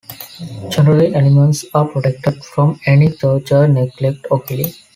Generally, animals are protected from any torture, neglect, or killing.